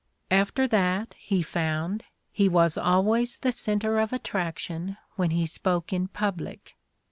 After that, he found, he was always the center of attrac tion when he spoke in public.